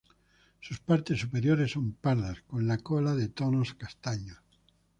Sus partes superiores son pardas, con la cola de tonos castaños.